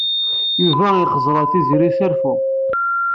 Yuba ixezzeṛ ar Tiziri s reffu.